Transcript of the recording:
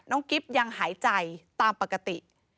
กิ๊บยังหายใจตามปกติ